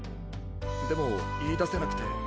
でもいいだせなくて。